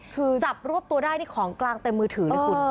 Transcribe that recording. คือจับรวบตัวได้นี่ของกลางเต็มมือถือเลยคุณ